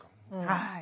はい。